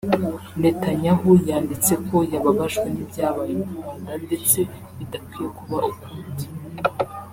Netanyahu yanditse ko yababajwe n’ibyabaye mu Rwanda ndetse bidakwiye kuba ukundi